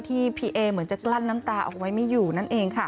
พี่เอเหมือนจะกลั้นน้ำตาเอาไว้ไม่อยู่นั่นเองค่ะ